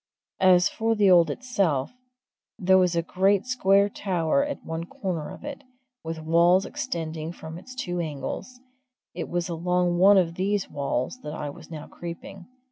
As for the old itself, there was a great square tower at one corner of it, with walls extending from its two angles; it was along one of these walls that I was now creeping.